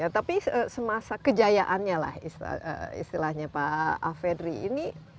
tapi semasa kejayaannya lah istilahnya pak afedri ini